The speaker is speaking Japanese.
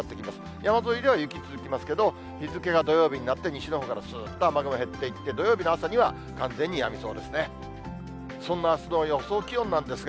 山沿いでは雪続きますけれども、日付が土曜日になって、西のほうから雨雲減っていって、土曜日の朝には完全にやみそうですね。